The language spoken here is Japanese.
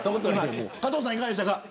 加藤さん、いかがでしたか。